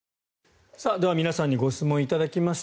では皆さんにご質問いただきました。